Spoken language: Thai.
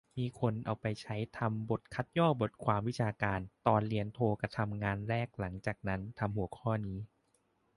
มีเอาไปใช้ทำบทคัดย่อบทความวิชาการ ตอนเรียนโทกะทำงานแรกหลังจากนั้น ทำหัวข้อนี้